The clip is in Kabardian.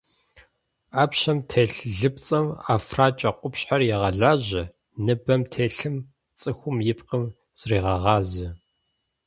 Ӏэпщэм телъ лыпцӏэм ӏэфракӏэ къупщхьэр егъэлажьэ, ныбэм телъым цӏыхум и пкъым зрегъэгъазэ.